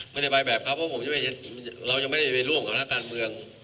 ไม่ได้ไปแบบครับว่าจะไม่ได้ร่วมกับหน้าการเมือง